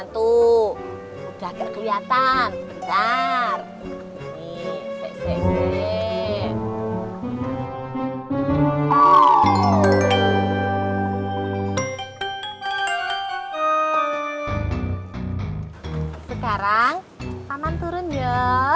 tuh udah kelihatan bentar sekarang paman turun ya